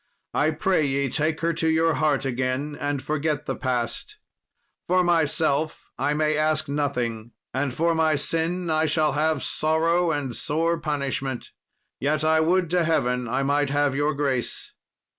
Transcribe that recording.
I pray ye take her to your heart again and forget the past. For myself I may ask nothing, and for my sin I shall have sorrow and sore punishment; yet I would to heaven I might have your grace."